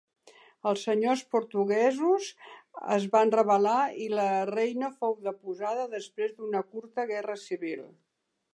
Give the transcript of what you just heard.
Els senyors portuguesos es van rebel·lar i la reina fou deposada després d'una curta guerra civil.